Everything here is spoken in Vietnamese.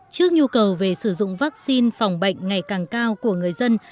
trước nhu cầu về sử dụng vaccine phòng bệnh ngày càng cao của người dân